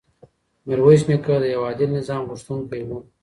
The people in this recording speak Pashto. میرویس نیکه د یو عادل نظام غوښتونکی و.